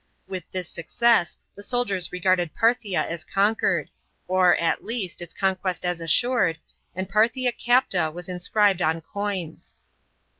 With this success the soldiers regarded Parthia as conquered, or, at least, its conquest as assured, and Parthia capta was inscribed on coins.